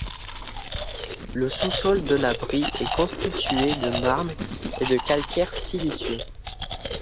Le sous-sol de la Brie est constituée de marnes et de calcaires siliceux.